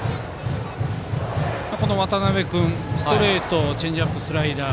この渡邊君、ストレートチェンジアップ、スライダー。